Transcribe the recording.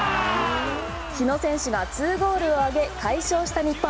日野選手が２ゴールを挙げ快勝した日本。